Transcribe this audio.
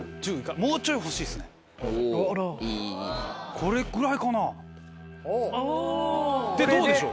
これぐらいかなでどうでしょう？